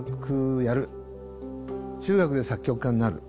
中学で作曲家になる。